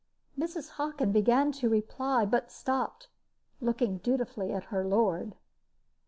Mrs. Hockin began to reply, but stopped, looking dutifully at her lord.